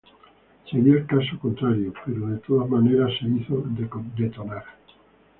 Se dio el caso contrario, pero de todas maneras se hizo detonar.